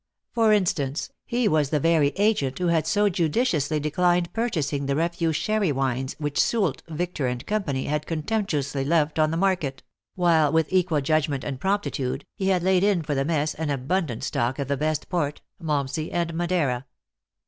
For instance, he was the very agent who had so judicious 72 THE ACTRESS IN HIGH LIFE. ly declined purchasing the refuse sherry wines which Soult, Victor & Co. had contemptuously left on the market; while, with equal judgment arid prompti tude, he had laid in for the mess an abundant stock of the best port, malmsey and Madeira.